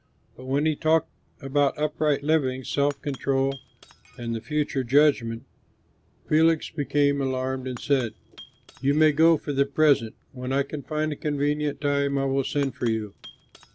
But when he talked about upright living, self control, and the future judgment, Felix became alarmed and said, "You may go for the present; when I can find a convenient time I will send for you."